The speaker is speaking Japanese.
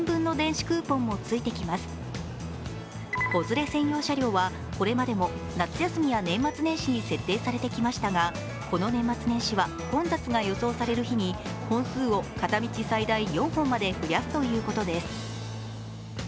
子連れ専用車両は、これまでも夏休みや年末年始に設定されてきましたがこの年末年始は混雑が予想される日に本数を片道最大４本まで増やすということです。